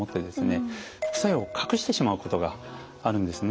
副作用を隠してしまうことがあるんですね。